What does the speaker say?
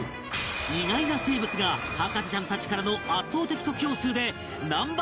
意外な生物が博士ちゃんたちからの圧倒的得票数で Ｎｏ．